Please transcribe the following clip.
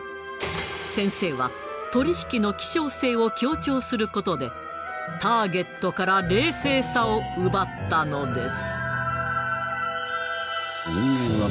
先生は取り引きの希少性を強調することでターゲットから冷静さを奪ったのです。